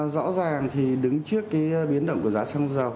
dạ vâng rõ ràng thì đứng trước cái biến động của giá xăng dầu